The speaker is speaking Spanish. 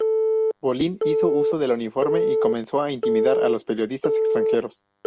Bolín hizo uso del uniforme y comenzó a intimidar a los periodistas extranjeros.